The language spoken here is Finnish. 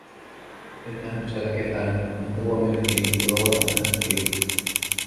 En nähnyt siellä ketään, mutta huomioni kiinnittyy avonaisen häkkiin.